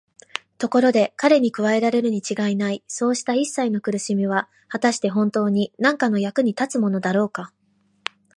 ところで彼に加えられるにちがいないそうしたいっさいの苦しみは、はたしてほんとうになんかの役に立つものだろうか。